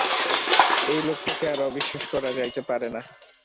এই লোকটাকে আর অবিশ্বাস করা যাইতে পারে না।